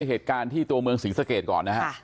เหตุการณ์ที่ตัวเมืองศรีสะเกดก่อนนะฮะ